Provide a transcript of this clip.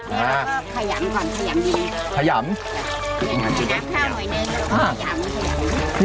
เราก็ขยัมก่อนขยัมที